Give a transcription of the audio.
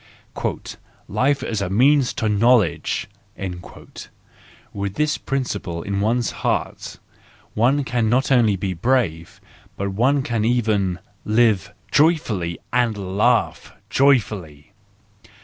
"Life as a means to knowledge "—with this prin¬ ciple in one's heart, one can not only be brave, but can even live joyfully and laugh joyfully